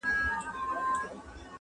• دا خو خلګ یې راوړي چي شیرني ده,